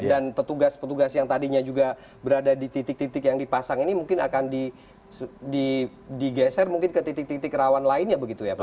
dan petugas petugas yang tadinya juga berada di titik titik yang dipasang ini mungkin akan digeser mungkin ke titik titik rawan lainnya begitu ya pak